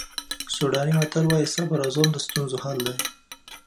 سوډاني متل وایي صبر او زغم د ستونزو حل دی.